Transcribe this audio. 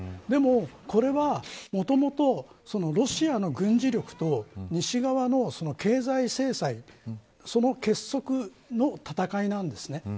でも、これはもともとロシアの軍事力と西側の経済制裁その結束の戦いなんですね。